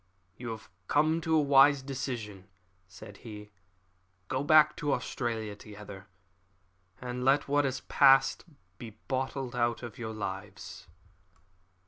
"You have come to a wise decision," said he. "Go back to Australia together, and let what has passed be blotted out of your lives."